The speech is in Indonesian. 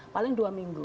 paling dua minggu